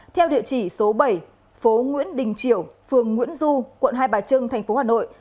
theo địa chỉ số bảy phố nguyễn đình triệu phường nguyễn du quận hai bà trưng tp hà nội